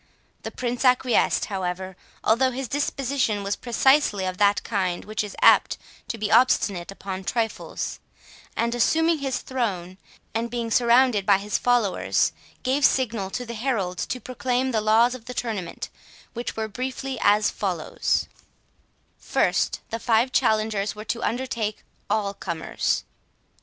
The Prince acquiesced, however, although his disposition was precisely of that kind which is apt to be obstinate upon trifles, and, assuming his throne, and being surrounded by his followers, gave signal to the heralds to proclaim the laws of the tournament, which were briefly as follows: First, the five challengers were to undertake all comers.